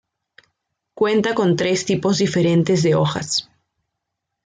Cuenta con tres tipos diferentes de hojas:.